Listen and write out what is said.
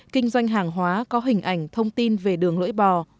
kinh doanh hàng hóa có hình ảnh thông tin về đường lưỡi bò